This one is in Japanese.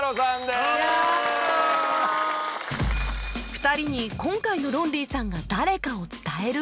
２人に今回のロンリーさんが誰かを伝えると